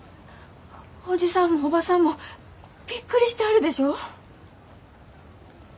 おじさんもおばさんもびっくりしてはるでしょう？